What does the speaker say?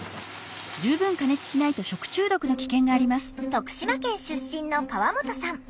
徳島県出身の川本さん。